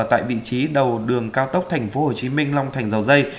tại vị trí đầu đường cao tốc tp hcm long thành dầu dây